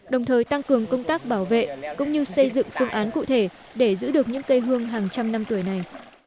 đồng thời tăng cường công tác bảo vệ cũng như xây dựng phương án cụ thể để giữ được những cây hương hàng trăm năm tuổi này